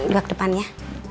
gak ke depan ya